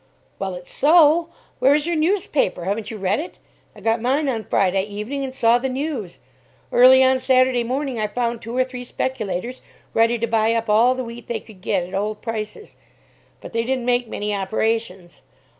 "Well, it's so. Where is your newspaper? Haven't you read it? I got mine on Friday evening, and saw the news. Early on Saturday morning I found two or three speculators ready to buy up all the wheat they could get at old prices; but they didn't make many operations.